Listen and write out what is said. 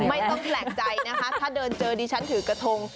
ไม่ต้องแปลกใจนะคะถ้าเดินเจอดิฉันถือกระทง